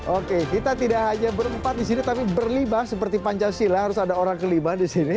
oke kita tidak hanya berkepat disini tapi berlibah seperti pancasila harus ada orang kelima di sini